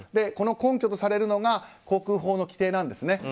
この根拠とされるのが航空法の規定なんですね。